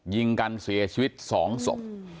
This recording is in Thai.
ยิงกันเสียชีวิต๒ศพ